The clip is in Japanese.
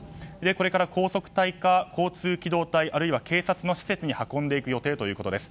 これから高速隊か交通機動隊、あるいは警察の施設に運ぶ予定だということです。